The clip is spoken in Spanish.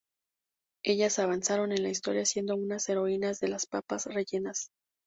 Ellas avanzaron en la historia siendo unas heroínas de las papas rellenas.